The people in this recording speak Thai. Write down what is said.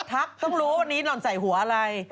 ทักต้องรู้วันนี้หล่อนใส่หัวอะไร